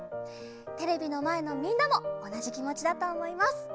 テレビのまえのみんなもおなじきもちだとおもいます。